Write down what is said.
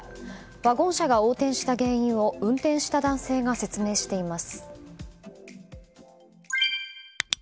ワゴン車が横転した原因を運転した男性が説明しています。